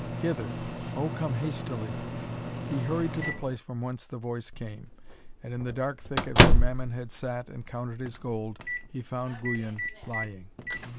hither! oh come hastily!' He hurried to the place from whence the voice came, and in the dark thicket where Mammon had sat and counted his gold, he found Guyon lying.